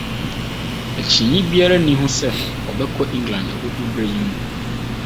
Akyinnye biara nni ho sɛ ɔbɛkɔ England ahohuru bere yi mu.